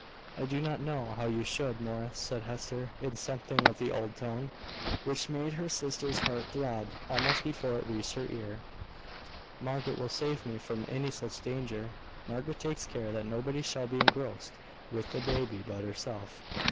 "I do not know how you should, Morris," said Hester, in something of the old tone, which made her sister's heart throb almost before it reached her ear. "Margaret will save me from any such danger. Margaret takes care that nobody shall be engrossed with the baby but herself.